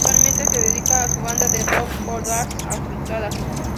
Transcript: Actualmente se dedica a su banda de Rock "Corbatas Ajustadas".